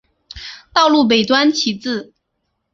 道路北端起自。